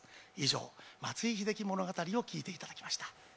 以上、松井秀喜物語を聞いていただきました。